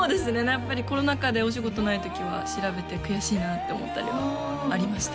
やっぱりコロナ禍でお仕事ない時は調べて悔しいなって思ったりはありました